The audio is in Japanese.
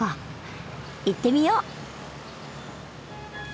行ってみよう。